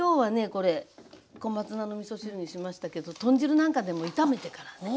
これ小松菜のみそ汁にしましたけど豚汁なんかでも炒めてからね。